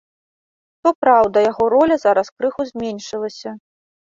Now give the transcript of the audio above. Што праўда, яго роля зараз крыху зменшылася.